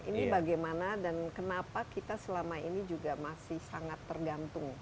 ini bagaimana dan kenapa kita selama ini juga masih sangat tergantung